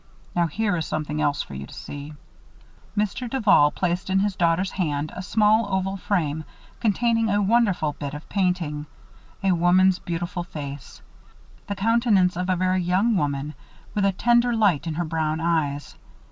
Now, here is something else for you to see." Mr. Duval placed in his daughter's hand a small oval frame containing a wonderful bit of painting. A woman's beautiful face. The countenance of a very young woman, with a tender light in her brown eyes.